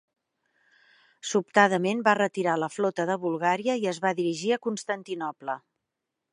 Sobtadament va retirar la flota de Bulgària i es va dirigir a Constantinoble.